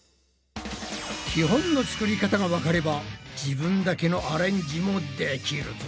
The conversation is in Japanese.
基本の作り方がわかれば自分だけのアレンジもできるぞ！